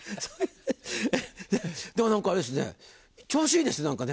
でも何かあれですね調子いいですね何かね。